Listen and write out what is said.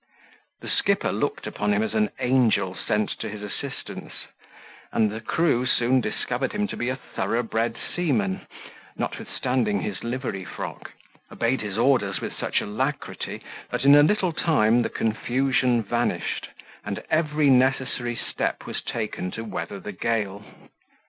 The skipper looked upon him as an angel sent to his assistance; and the crew soon discovered him to be a thoroughbred seaman, notwithstanding his livery frock; obeyed his orders with such alacrity, that, in a little time, the confusion vanished; and every necessary step was taken to weather the gale.